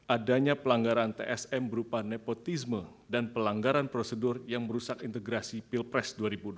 adanya pelanggaran tsm berupa nepotisme dan pelanggaran prosedur yang merusak integrasi pilpres dua ribu dua puluh